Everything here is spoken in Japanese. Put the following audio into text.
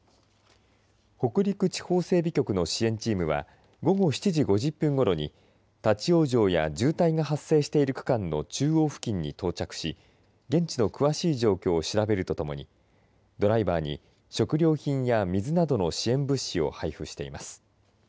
北陸地方整備局の支援チームは午後７時５０分ごろに立往生や渋滞が発生している区間の中央付近に到着し現地の詳しい状況を調べるとともにドライバーに食料品や水などの支援物資を配布しています。